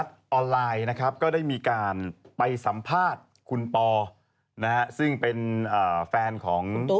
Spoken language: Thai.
สิ่งที่ความเป็นจริง